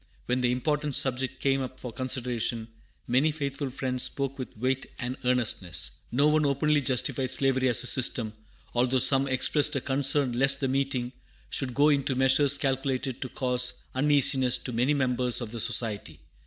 When the important subject came up for consideration, many faithful Friends spoke with weight and earnestness. No one openly justified slavery as a system, although some expressed a concern lest the meeting should go into measures calculated to cause uneasiness to many members of the Society.